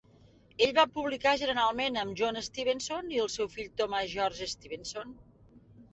Ell va publicar generalment amb John Stevenson i el seu fill Thomas George Stevenson.